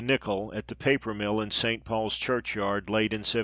Niccoll, at the Paper Mill, in St. Paul's Churchyard," late in 1763.